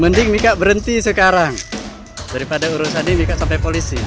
mending mika berhenti sekarang daripada urusan ini kak sampai polisi